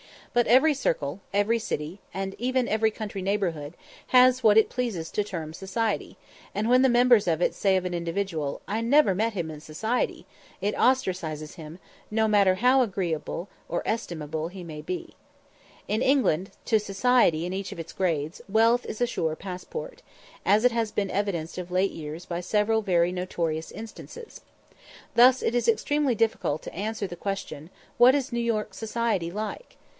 But every circle, every city, and even every country neighbourhood, has what it pleases to term "society;" and when the members of it say of an individual, "I never met him in society," it ostracises him, no matter how estimable or agreeable he may be. In England, to "society," in each of its grades, wealth is a sure passport, as has been evidenced of late years by several very notorious instances. Thus it is extremely difficult to answer the question, "What is New York society like?"